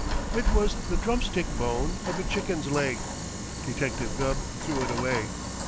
It was the drumstick bone of a chicken's leg. Detective Gubb threw it away.